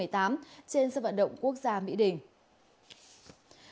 trên sân vận động quốc gia mỹ đình